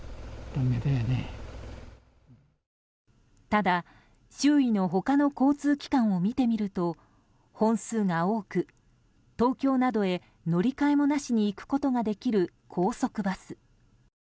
ただ、周囲の外の交通機関を見てみると本数が多く、東京などへ乗り換えもなしに行くことができる高速バス。